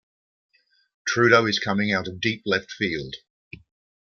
Trudeau is coming out of deep left field.